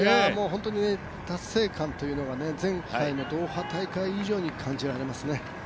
本当に達成感というのが前回のドーハ大会以上に感じられますね。